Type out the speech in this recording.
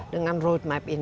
dengan road map ini